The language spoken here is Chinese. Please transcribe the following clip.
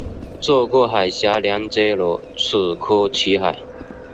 这个海峡连接了楚科奇海。